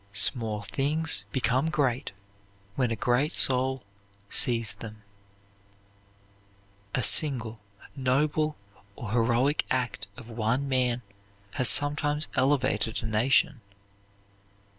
Small things become great when a great soul sees them. A single noble or heroic act of one man has sometimes elevated a nation.